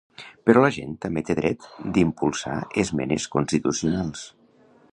Però la gent també té dret d’impulsar esmenes constitucionals.